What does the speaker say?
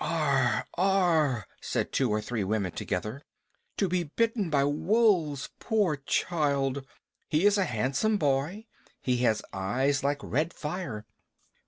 "Arre! Arre!" said two or three women together. "To be bitten by wolves, poor child! He is a handsome boy. He has eyes like red fire.